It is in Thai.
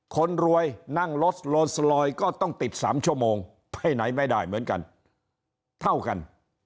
คนรวยนั่งรถโลสลอยก็ต้องติด๓ชั่วโมงไปไหนไม่ได้เหมือนกันเท่ากัน